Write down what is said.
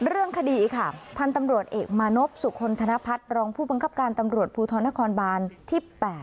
เรื่องคดีค่ะพันธุ์ตำรวจเอกมานพสุคลธนพัฒน์รองผู้บังคับการตำรวจภูทรนครบานที่๘